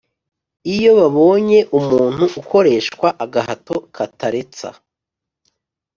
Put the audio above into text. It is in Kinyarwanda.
iyo babonye umuntu ukoreshwa agahato kataretsa,